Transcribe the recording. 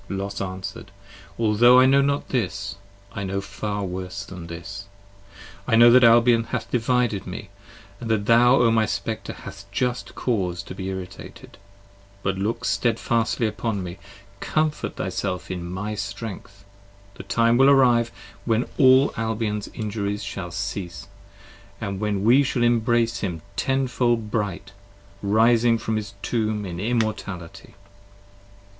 Los answer'd. Altho' I know not this! I know far worse than this: I know that Albion hath divided me, and that thou O my Spectre, Hast just cause to be irritated: but look stedfastly upon me: Comfort thyself in my strength; the time will arrive, 55 When all Albion's injuries shall cease, and when we shall Embrace him tenfold bright, rising from his tomb in immortality.